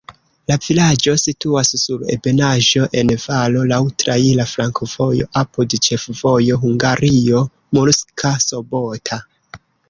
La vilaĝo situas sur ebenaĵo en valo, laŭ traira flankovojo apud ĉefvojo Hungario-Murska Sobota.